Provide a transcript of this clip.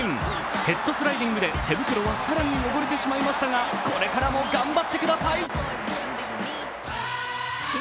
ヘッドスライディングで手袋は更に汚れてしまいましたがこれからも頑張ってください。